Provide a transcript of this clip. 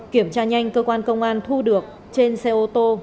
kiểm tra nhanh cơ quan công an thu được trên xe ô tô